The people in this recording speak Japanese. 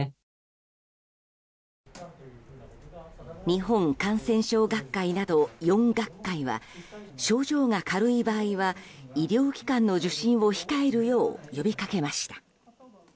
日本感染症学会など４学会は症状が軽い場合は医療機関の受診を控えるよう呼びかけました。